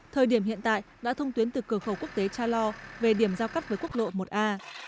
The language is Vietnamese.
thời điểm hiện tại đã thông tuyến từ cửa khẩu quốc tế cha lo về điểm giao cắt với quốc lộ một a